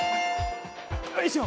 よいしょ！